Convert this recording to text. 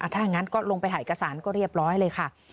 ถ้างั้นก็ลงไปถ่ายกระสานก็เรียบร้อยเลยค่ะ